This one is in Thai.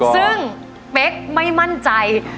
ซึ่งเป๊กไม่มั่นใจ